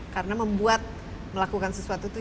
karena membuat melakukan sesuatu itu